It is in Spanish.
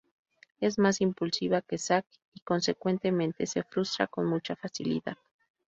Es más impulsiva que Zack y consecuentemente se frustra con mucha facilidad.